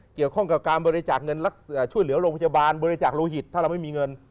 เกี่ยวข้องกับการบริจาคเงินช่วยเหลือโรงพยาบาลบริจาคโลหิตถ้าเราไม่มีเงิน